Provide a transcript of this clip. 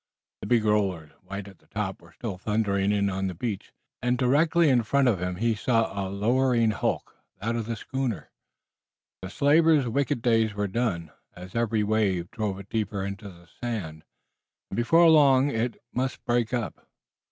The big rollers, white at the top, were still thundering on the beach, and directly in front of him he saw a lowering hulk, that of the schooner. The slaver's wicked days were done, as every wave drove it deeper into the sand, and before long it must break up.